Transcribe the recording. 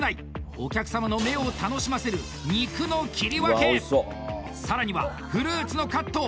お客様の目を楽しませる肉の切り分け、さらにはフルーツのカット！